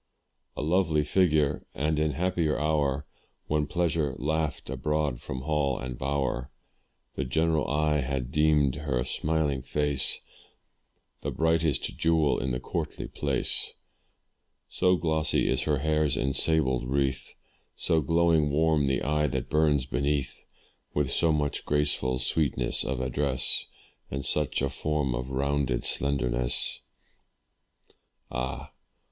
A lovely figure! and in happier hour, When pleasure laugh'd abroad from hall and bower, The general eye had deem'd her smiling face The brightest jewel in the courtly place: So glossy is her hair's ensabled wreath, So glowing warm the eye that burns beneath With so much graceful sweetness of address, And such a form of rounded slenderness; Ah!